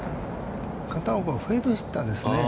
片岡は、フェードヒッターですね。